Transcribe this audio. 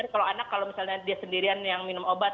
kalau misalnya dia sendirian yang minum obat